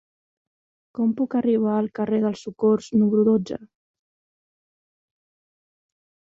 Com puc arribar al carrer del Socors número dotze?